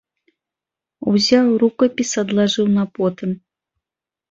Узяў рукапіс адлажыў на потым.